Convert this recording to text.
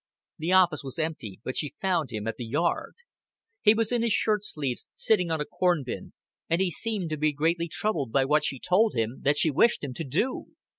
The office was empty, but she found him at the yard. He was in his shirt sleeves, sitting on a corn bin, and he seemed to be greatly troubled by what she told him that she wished him to do.